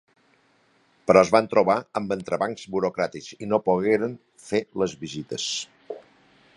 Però es van trobar amb entrebancs burocràtics i no pogueren fer les visites.